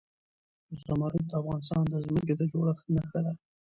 زمرد د افغانستان د ځمکې د جوړښت نښه ده.